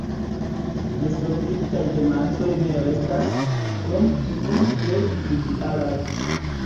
Nesolvitaj demandoj ne restas, krom iuj plej trivialaj.